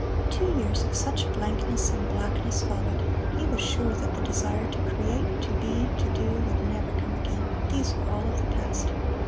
Two years of such blankness and blackness followed. He was sure that the desire to create, to be, to do, would never come again these were all of the past.